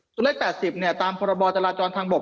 ตัวเลข๘๐ตามพรบจราจรทางบก